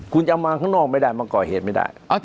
คุณจะเอามาข้างนอกไม่ได้มาก่อเหตุไม่ได้